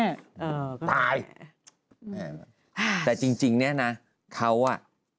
เออตายแม่แต่จริงเนี่ยนะเขาอ่ะ